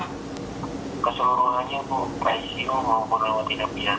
keseluruhannya pasien maupun rumah tidak biasa